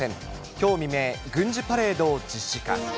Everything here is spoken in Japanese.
きょう未明、軍事パレードを実施か。